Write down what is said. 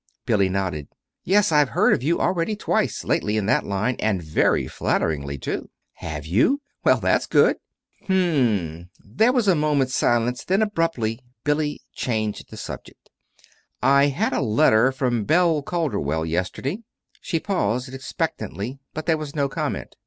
Billy nodded. "Yes; I've heard of you already twice, lately, in that line, and very flatteringly, too." "Have you? Well, that's good." "Hm m." There was a moment's silence, then, abruptly, Billy changed the subject. "I had a letter from Belle Calderwell, yesterday." She paused expectantly, but there was no comment.